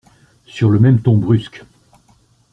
Sur le même ton brusque.